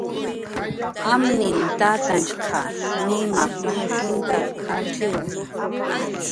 Amninh tatanhshq Nimaj manushuntak arshiwi